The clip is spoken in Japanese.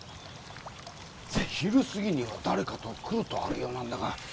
昼過ぎには誰かと来るとあるようなんだが。